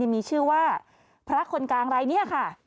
มีชื่อว่าพระคนกลางรายนี้ค่ะ